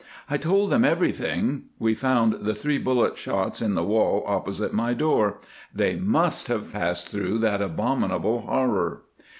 I told them everything. We found the three bullet shots in the wall opposite my door. They must have passed through that abominable horror.